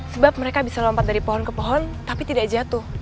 sebab mereka bisa lompat dari pohon ke pohon tapi tidak jatuh